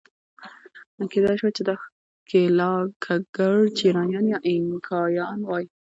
کېدای شوای چې دا ښکېلاکګر چینایان یا اینکایان وای.